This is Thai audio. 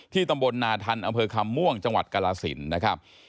ตำบลนาทันอำเภอคำม่วงจังหวัดกรสินนะครับ